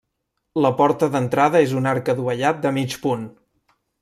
La porta d'entrada és un arc adovellat de mig punt.